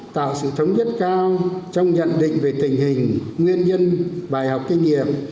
tạo sự thống nhất cao trong nhận định về tình hình nguyên nhân bài học kinh nghiệm